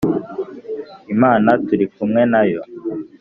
Imana turi kumwe nayo